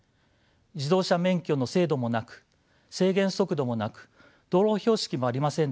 自動車免許の制度もなく制限速度もなく道路標識もありませんでした。